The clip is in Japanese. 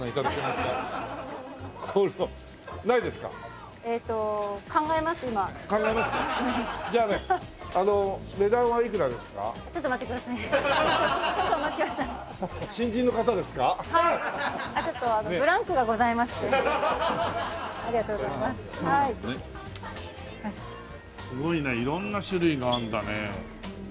すごいな色んな種類があるんだね。